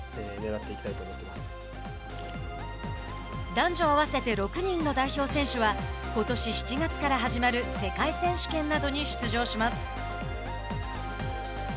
男女合わせて６人の代表選手はことし７月から始まる世界選手権などに出場します。